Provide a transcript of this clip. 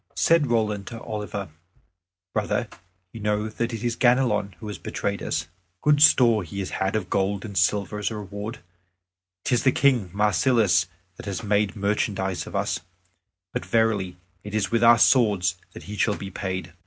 Said Roland to Oliver, "Brother, you know that it is Ganelon who has betrayed us. Good store he has had of gold and silver as a reward; 'tis the King Marsilas that has made merchandise of us, but verily it is with our swords that he shall be paid."